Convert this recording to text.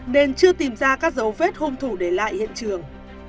nên chưa tìm ra các dấu vết hung thủ để lại hiện trường